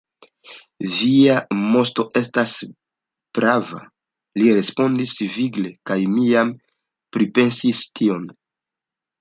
Via moŝto estas prava, li respondis vigle, kaj mi jam pripensis tion.